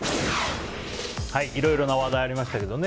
いろいろな話題がありましたけども。